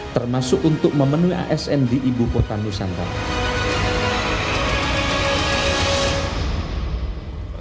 termasuk untuk memenuhi asn di ibu kota nusantara